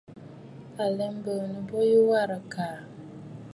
À lɛ biinə bo yu warə̀ àkàà.